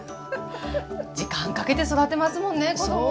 時間かけて育てますもんね子どもも。